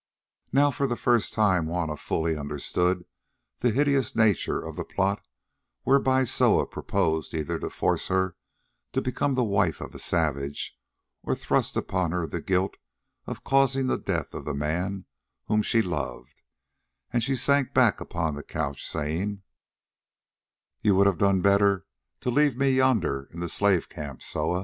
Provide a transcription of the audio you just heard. Now for the first time Juanna fully understood the hideous nature of the plot whereby Soa purposed either to force her to become the wife of a savage, or to thrust upon her the guilt of causing the death of the man whom she loved, and she sank back upon the couch, saying: "You would have done better to leave me yonder in the slave camp, Soa."